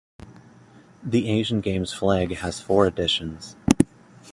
The Asian Games flag has four editions.